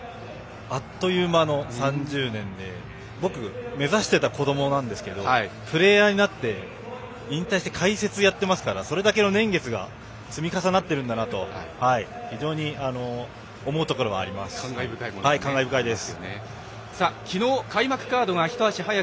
あっという間の３０年で僕、目指していた子どもなんですけどプレーヤーになって引退して、解説やってますからそれだけの年月が積み重なってるんだなと非常に思うところはあります。